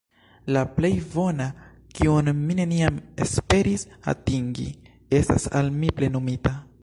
La plej bona, kiun mi neniam esperis atingi, estas al mi plenumita.